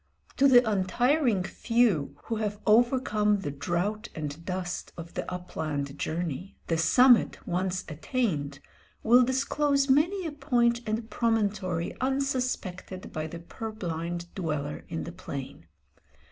To the untiring few who have overcome the drought and dust of the up land journey, the summit, once attained, will disclose many a point and promontory unsuspected by the purblind dweller in the plain.